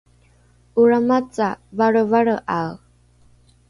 oramaca valrevalre’ae